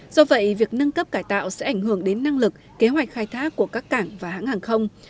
do vậy việc nâng cấp cải tạo sẽ ảnh hưởng đến năng lực kế hoạch khai thác của các cảng và hãng hàng không